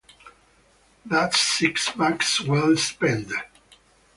That’s six bucks well spent.